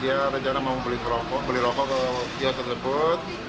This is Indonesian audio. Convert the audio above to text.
dia rencana mau beli rokok ke ke tia tersebut